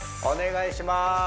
お願いします